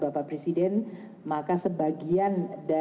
bapak presiden maka sebagian